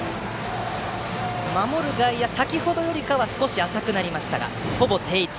守る外野は先程よりは浅くなりましたがほぼ定位置。